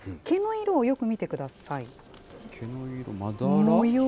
毛の色をよく見てください。